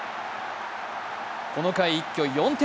この回一挙４点。